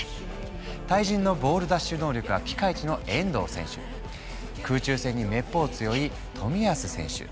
対人のボール奪取能力がピカイチの遠藤選手空中戦にめっぽう強い冨安選手